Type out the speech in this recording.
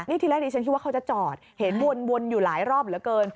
นี่ที่แรกรี่เป็นเขาจะจอดเห็นวนอยู่หลายรอบเหลือเกิน